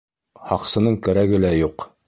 Һаҡсының кәрәге лә юҡ...